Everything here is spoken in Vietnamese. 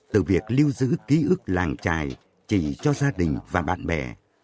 từ việc lưu giữ ký ức làng trài chỉ cho gia đình và bạn bè